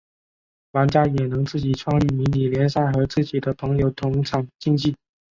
玩家也能自己创立迷你联赛和自己的朋友同场竞技。